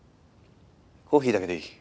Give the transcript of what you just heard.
コーヒーだけでいい。